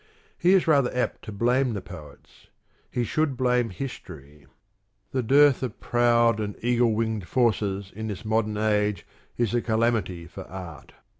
He is rather apt to blame the poets : he should blame history. The dearth of proud and eagle winged forces in this modern age is a calamity for art.